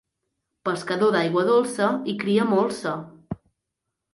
Pescador d'aigua dolça, hi cria molsa.